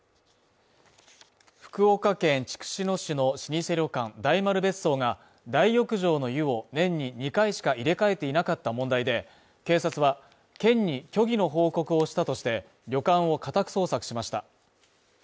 福岡県筑紫野市の老舗旅館大丸別荘が大浴場の湯を年に２回しか入れ替えていなかった問題で、警察は、県に虚偽の報告をしたとして、旅館を家宅捜索しました。